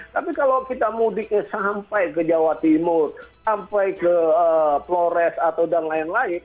tapi kalau kita mudiknya sampai ke jawa timur sampai ke flores atau dan lain lain